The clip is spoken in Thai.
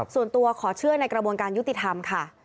ส่วนตัวขอเชื่อในกระบวนการยุติธรรมค่ะ